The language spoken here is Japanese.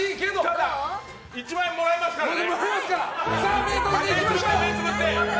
ただ、１万円もらえますからね。